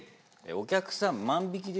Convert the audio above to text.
お客さん、万引きですね